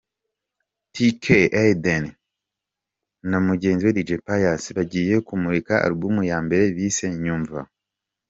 Tk Aidan na mugenzi we Dj Pius bagiye kumurika album ya mbere bise ‘Nyumva’.